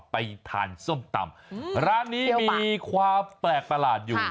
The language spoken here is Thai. ไปทานส้มตำร้านนี้มีความแปลกประหลาดอยู่